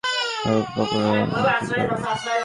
ওম কাপুর আর আমি, আমরা শুধু ভাল বন্ধু।